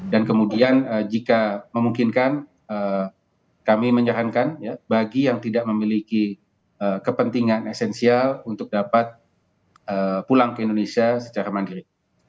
dan kemudian jika memungkinkan kami menyarankan bagi yang tidak memiliki kepentingan esensial untuk dapat pulang ke indonesia secara mandiri